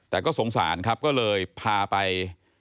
แต่ก็สงสารครับก็เลยพาไป